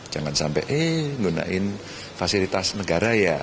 jangan sampai eh lunain fasilitas negara ya